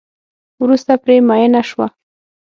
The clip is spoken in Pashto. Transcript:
وروسته پرې میېنه شوه.